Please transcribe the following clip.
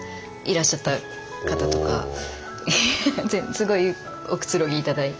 すごいおくつろぎいただいて。